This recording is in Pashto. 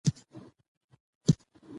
بې خدای پاماني تګونه ډېر خطرناک دي.